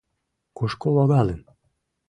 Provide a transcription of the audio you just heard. Кушко логалын?